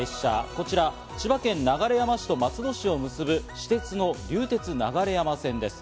こちら千葉県流山市と松戸市を結ぶ私鉄の流鉄流山線です。